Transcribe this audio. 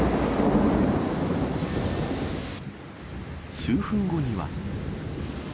数分後には。